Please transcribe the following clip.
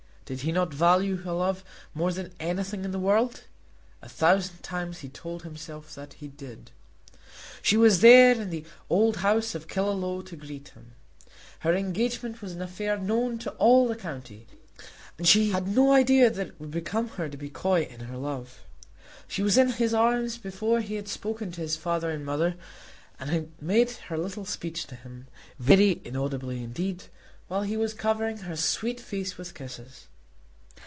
Did he not value her love more than anything in the world? A thousand times he told himself that he did. She was there in the old house at Killaloe to greet him. Her engagement was an affair known to all the county, and she had no idea that it would become her to be coy in her love. She was in his arms before he had spoken to his father and mother, and had made her little speech to him, very inaudibly indeed, while he was covering her sweet face with kisses.